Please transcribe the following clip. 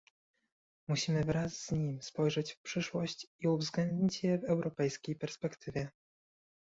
musimy wraz z nim spojrzeć w przyszłość i uwzględnić je w europejskiej perspektywie